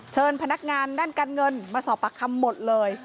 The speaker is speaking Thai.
พนักงานด้านการเงินมาสอบปากคำหมดเลย